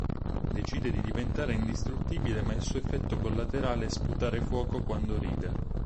Decide di diventare indistruttibile ma il suo effetto collaterale è sputare fuoco quando ride.